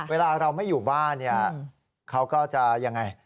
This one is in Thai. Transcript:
เวลาเราไม่อยู่บ้านเขาก็จะอย่างไร